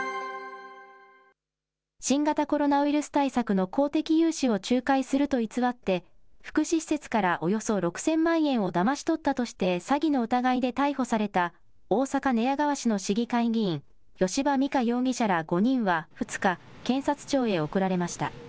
新型コロナウイルス対策の公的融資を仲介すると偽って、福祉施設からおよそ６０００万円をだまし取ったとして詐欺の疑いで逮捕された大阪・寝屋川市の市議会議員、吉羽美華容疑者ら５人は２日、検察庁へ送られました。